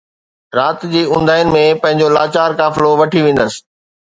رات جي اونداھين ۾ پنھنجو لاچار قافلو وٺي ويندس